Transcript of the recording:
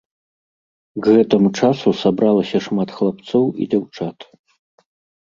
К гэтаму часу сабралася шмат хлапцоў і дзяўчат.